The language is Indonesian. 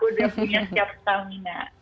udah punya siap stamina